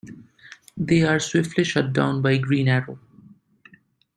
They are swiftly shut down by Green Arrow.